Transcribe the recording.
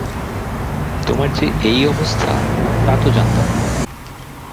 তোমার যে এই অবস্থা, তা তো জানতাম না।